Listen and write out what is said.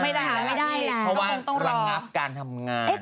ไม่ได้แหละเพราะว่ารังงับการทำงานต้องรอ